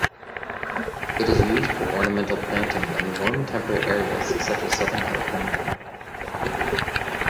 It is used for ornamental planting in warm temperate areas such as southern California.